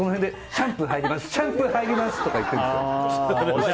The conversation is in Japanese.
シャンプー入りますとか言ってるんですよ。